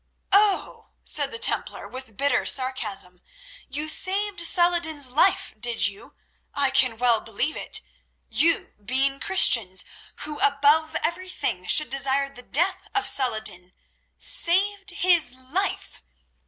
"Oh!" said the Templar with bitter sarcasm, "you saved Saladin's life, did you? I can well believe it. You, being Christians, who above everything should desire the death of Saladin, saved his life!